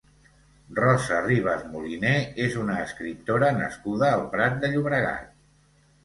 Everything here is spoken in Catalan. Rosa Ribas Moliné és una escriptora nascuda al Prat de Llobregat.